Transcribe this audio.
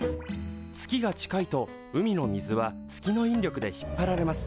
月が近いと海の水は月の引力で引っ張られます。